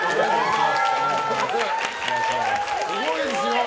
すごいですよ。